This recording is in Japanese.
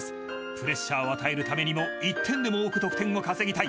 プレッシャーを与えるためにも１点でも多く得点を稼ぎたい。